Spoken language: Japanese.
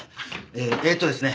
ええーとですね